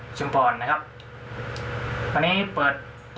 โอเตลเซลเลสลิม่าชาลียูนิฟอร์ม